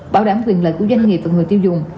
bảo đảm quyền lợi của doanh nghiệp và người tiêu dùng